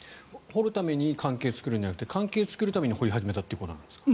掘るために関係を作るんじゃなくて関係を作るために掘り始めたということなんですか。